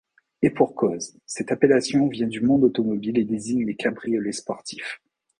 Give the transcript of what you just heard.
Et pour cause, cette appellation vient du monde automobile et désigne les cabriolets sportifs.